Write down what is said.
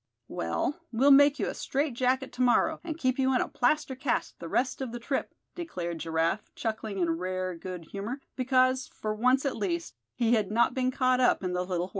"Well, we'll make you a strait jacket to morrow, and keep you in a plaster cast the rest of the trip," declared Giraffe; chuckling in rare good humor, because, for once at least, he had not been caught up in the little whirl.